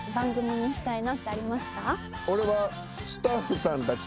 俺は。